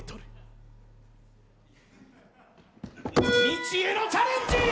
未知へのチャレンジ！